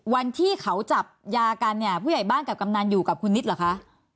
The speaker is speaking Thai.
วันที่เขาจับยากันเนี่ยผู้ใหญ่บ้านกับกำนันอยู่กับคุณนิดเหรอคะ